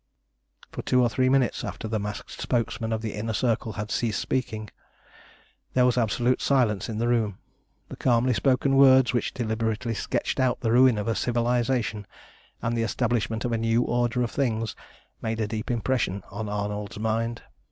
For two or three minutes after the masked spokesman of the Inner Circle had ceased speaking, there was absolute silence in the room. The calmly spoken words which deliberately sketched out the ruin of a civilisation and the establishment of a new order of things made a deep impression on Arnold's mind.